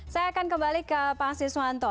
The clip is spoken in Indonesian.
saya akan kembali ke pak siswanto